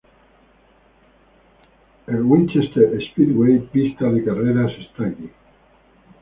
El Winchester Speedway pista de carreras está aquí.